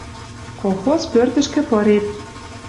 Колхоз пӧртӹшкӹ пырет.